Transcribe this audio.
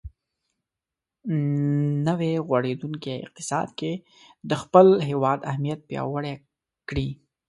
نوی غوړېدونکی اقتصاد کې د خپل هېواد اهمیت پیاوړی کړي.